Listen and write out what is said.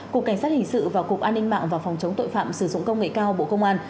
cục cảnh sát hình sự và cục an ninh mạng và phòng chống tội phạm sử dụng công nghệ cao bộ công an